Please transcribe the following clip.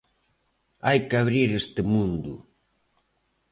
Hai que abrir este mundo.